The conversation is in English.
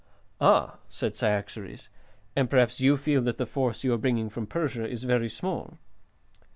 "Ah," said Cyaxares, "and perhaps you feel that the force you are bringing from Persia is very small?"